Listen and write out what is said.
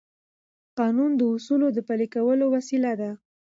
قانون د اصولو د پلي کولو وسیله ده.